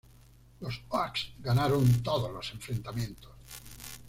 Los Oaks ganaron todos los enfrentamientos.